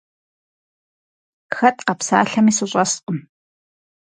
Хэт къэпсалъэми сыщӀэскъым.